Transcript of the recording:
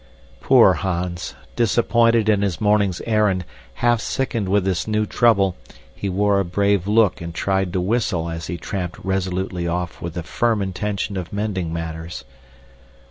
Poor Hans! Disappointed in his morning's errand, half sickened with this new trouble, he wore a brave look and tried to whistle as he tramped resolutely off with the firm intention of mending matters.